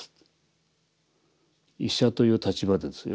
医者という立場でですよ